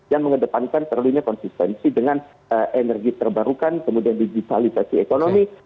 yang mengedepankan perlunya konsistensi dengan energi terbarukan kemudian digitalisasi ekonomi